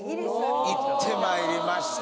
行ってまいりました。